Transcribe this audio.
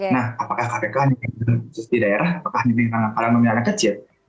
nah apakah kpk di daerah apakah di daerah kecil